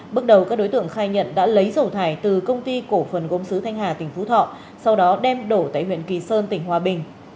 bước đầu các đối tượng khai nhận đã lấy dầu thải từ công ty cổ phần gốm sứ thanh hà tỉnh phú thọ sau đó đem đổ tại huyện kỳ sơn tỉnh hòa bình